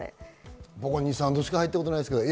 僕は２３度しか入ったことないですけれども。